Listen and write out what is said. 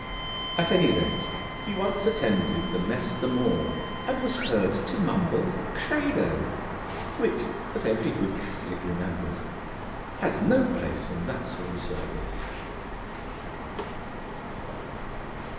At any rate, he once attended the 'Messe des Morts,' and was heard to mumble a 'Credo,' which, as every good Catholic remembers, has no place in that solemn service.